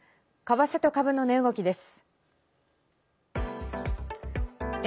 為替と株の値動きです。